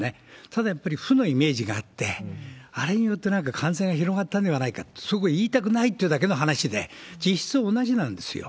ただ、やっぱり負のイメージがあって、あれによって、なんか感染が広がったんではないか、そこを言いたくないだけという話で、実質同じなんですよ。